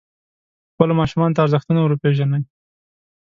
خپلو ماشومانو ته ارزښتونه وروپېژنئ.